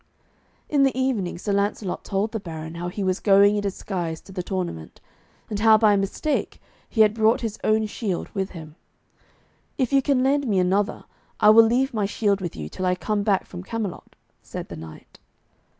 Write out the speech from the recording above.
In the evening Sir Lancelot told the Baron how he was going in disguise to the tournament, and how, by mistake, he had brought his own shield with him. 'If you can lend me another, I will leave my shield with you till I come back from Camelot,' said the knight.